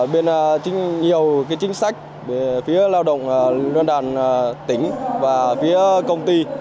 bên nhiều chính sách về phía lao động đoàn đoàn tỉnh và phía công ty